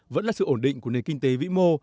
vẫn là sự ổn định của nền kinh tế vĩ mô